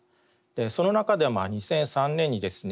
その中で２００３年にですね